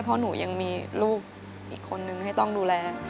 เพราะหนูยังมีลูกอีกคนนึงให้ต้องดูแล